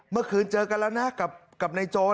เมื่อคืนเจอกันแล้วนะกับนายโจร